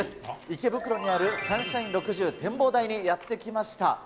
池袋にあるサンシャイン６０展望台にやって来ました。